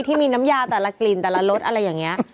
ที่มีน้ำยาแต่ละกลิ่นแต่ละรสอะไรอย่างนี้